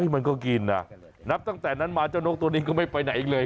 มันก็กินนะนับตั้งแต่นั้นมาเจ้านกตัวนี้ก็ไม่ไปไหนอีกเลย